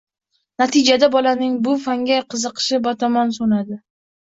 Natijada bolaning bu fanga qiziqishi batamom so‘nadi.